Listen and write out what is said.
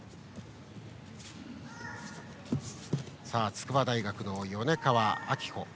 筑波大学の米川明穂。